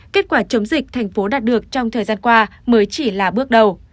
kết quả chống dịch thành phố đạt được trong thời gian qua mới chỉ là bước đầu